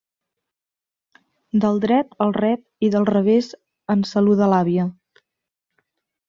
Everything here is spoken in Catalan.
Del dret el rep i del revés en saluda l'àvia.